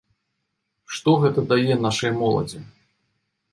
Што гэта дае нашай моладзі?